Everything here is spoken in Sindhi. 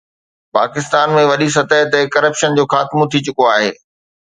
پاڪستان ۾ وڏي سطح تي ڪرپشن جو خاتمو ٿي چڪو آهي